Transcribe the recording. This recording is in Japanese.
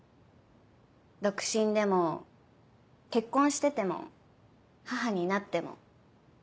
独身でも結婚してても母になっても。